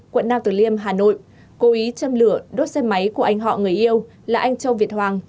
quận nam tử liêm hà nội cố ý châm lửa đốt xe máy của anh họ người yêu là anh châu việt hoàng